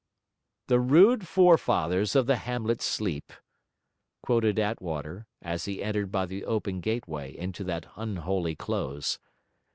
'The rude forefathers of the hamlet sleep!' quoted Attwater as he entered by the open gateway into that unholy close.